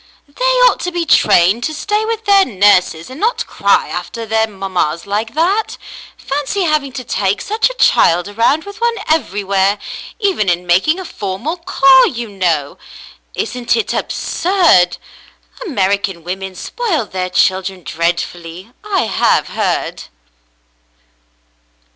"They ought to be trained to stay with their nurses and not cry after their mammas like that. Fancy having to take such a child around with one everywhere, even in making a formal call, you know ! Isn't it absurd ? American women spoil their children dreadfully, I have heard."